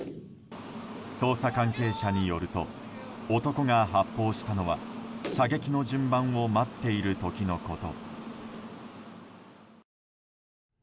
捜査関係者によると男が発砲したのは射撃の順番を待っている時のこと。